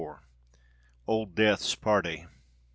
OLD DEATH'S PARTY.